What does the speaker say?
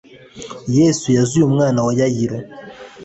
yesu yazuye umwana wayayiro